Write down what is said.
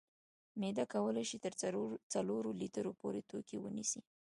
معده کولی شي تر څلورو لیترو پورې توکي ونیسي.